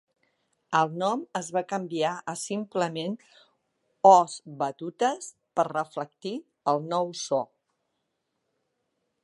El nom es va canviar a simplement Os Batutas per reflectir el nou so.